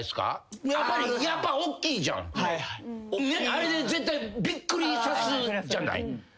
あれで絶対びっくりさすじゃない。